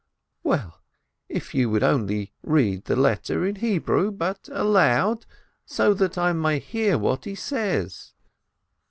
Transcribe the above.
"Well, if you would only read the letter in Hebrew, but aloud, so that I may hear what he says."